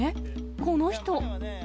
この人。